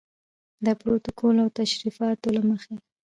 د پروتوکول او تشریفاتو له مخې.